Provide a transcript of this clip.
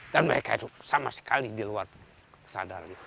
dan mereka itu sama sekali di luar kesadaran